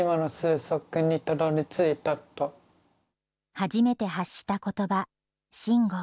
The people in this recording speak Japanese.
初めて発したことば、しんご。